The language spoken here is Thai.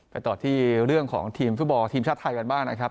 ต่อที่เรื่องของทีมฟุตบอลทีมชาติไทยกันบ้างนะครับ